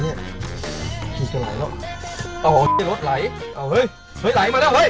คีย์ต้องไหวหนิ